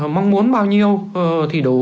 mong muốn bao nhiêu thì đủ